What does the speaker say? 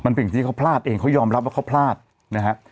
มันเป็นจริงเขาพลาดเองเขายอมรับว่าเขาพลาดนะฮะ